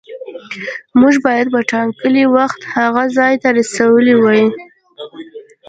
موږ باید په ټاکلي وخت هغه ځای ته رسولي وای.